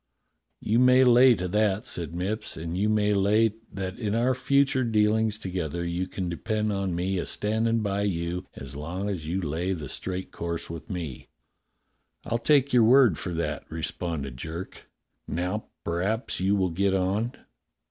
"You may lay to that," said Mipps, "and you may lay that in our future dealings together you can depend on me a standin' by you as long as you lay the straight course with me." "I'll take your word for that," responded Jerk. "Now p'raps you will get on.